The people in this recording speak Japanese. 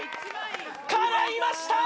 かないました！